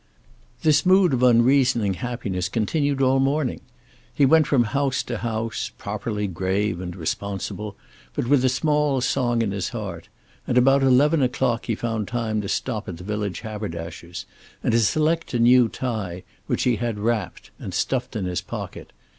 This mood of unreasoning happiness continued all morning. He went from house to house, properly grave and responsible but with a small song in his heart, and about eleven o'clock he found time to stop at the village haberdasher's and to select a new tie, which he had wrapped and stuffed in his pocket.